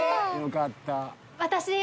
よかった。